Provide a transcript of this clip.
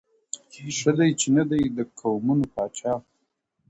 ښــــه دى چي نه دى د قومونـــو پـــــاچـــــا~